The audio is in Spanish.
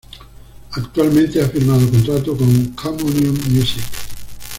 Actualmente ha firmado contrato con Communion Music.